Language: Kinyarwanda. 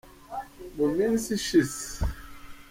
muminsi ishize.